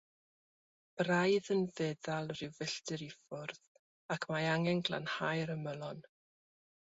Braidd yn feddal rhyw filltir i ffwrdd, ac mae angen glanhau'r ymylon.